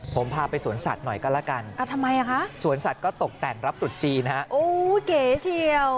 ผมพาไปสวนสัตว์หน่อยก็ละกันสวนสัตว์ก็ตกแต่งรับตุจีนะฮะโอ้เก๋เที่ยว